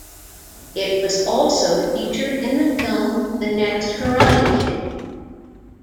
It was also featured in the film "The Next Karate Kid".